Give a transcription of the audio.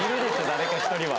誰か１人は